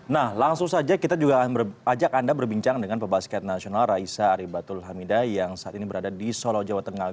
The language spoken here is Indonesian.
nah langsung saja kita juga ajak anda berbincang dengan pebasket nasional raisa aribatul hamida yang saat ini berada di solo jawa tengah